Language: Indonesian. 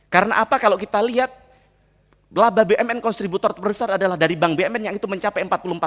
karena apa kalau kita lihat laba bnm kontributor terbesar adalah dari bank bnm yang itu mencapai empat puluh empat